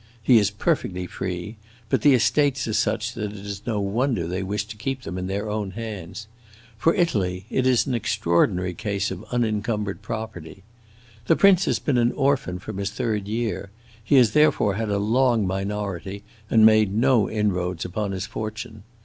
He is perfectly free; but the estates are such that it is no wonder they wish to keep them in their own hands. For Italy, it is an extraordinary case of unincumbered property. The prince has been an orphan from his third year; he has therefore had a long minority and made no inroads upon his fortune.